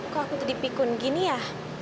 kok aku dipikun gini ya